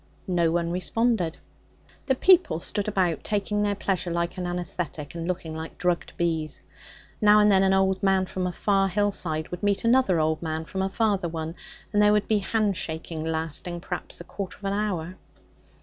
no one responded. The people stood about, taking their pleasure like an anaesthetic, and looking like drugged bees. Now and then an old man from a far hill side would meet another old man from a farther one, and there would be handshaking lasting, perhaps, a quarter of an hour.